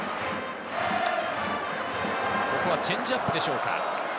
ここはチェンジアップでしょうか。